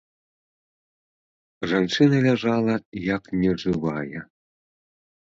Жанчына ляжала, як нежывая.